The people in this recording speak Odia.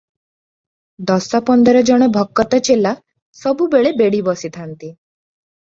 ଦଶ ପନ୍ଦର ଜଣ ଭକତ - ଚେଲା ସବୁବେଳେ ବେଢ଼ି ବସିଥାନ୍ତି ।